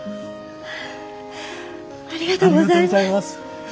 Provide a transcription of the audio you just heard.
ありがとうございます。